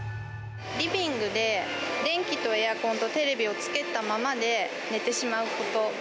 リビングで電気とエアコンとテレビをつけたままで寝てしまうこと。